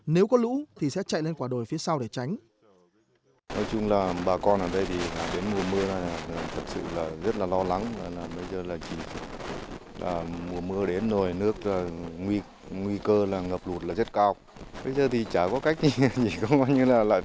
nếu có lũ thì sẽ chạy lên quả đồi phía sau để tránh